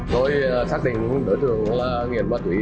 rồi xác định đối tượng là nghiện ma túy